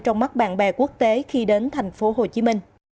trong mắt bạn bè quốc tế khi đến tp hcm